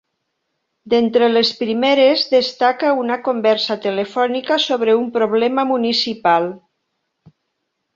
D'entre les primeres destaca una conversa telefònica sobre un problema municipal.